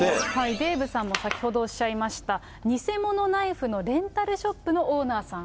デーブさんも先ほどおっしゃいました、偽物ナイフのレンタルショップのオーナーさん。